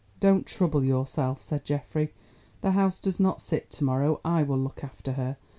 "Don't trouble yourself," said Geoffrey. "The House does not sit to morrow; I will look after her.